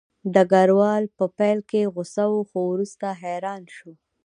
ډګروال په پیل کې غوسه و خو وروسته حیران شو